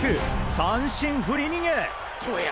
三振振り逃げ！ドヤ！